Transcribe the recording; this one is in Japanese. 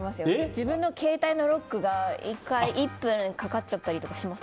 自分の携帯のロックが１回１分かかっちゃったりとかします。